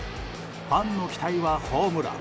ファンの期待は、ホームラン。